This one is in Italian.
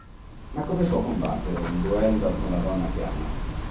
Ma come può combattere un duello con la donna che ama?